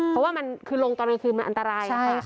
เพราะว่าลงตอนก็คือมันอันตราย